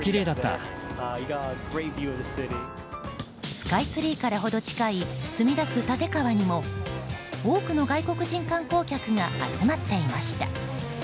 スカイツリーから程近い墨田区立川にも多くの外国人観光客が集まっていました。